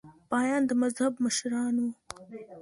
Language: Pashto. پاپان د مذهب مشران وو.